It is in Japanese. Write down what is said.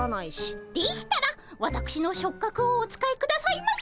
でしたらわたくしの触角をお使いくださいませ。